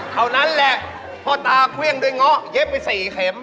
เท่านั้นแหละพ่อตาเครื่องด้วยเงาะเย็บไป๔เข็ม